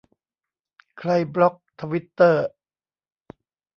"ใครบล็อกทวิตเตอร์ ?"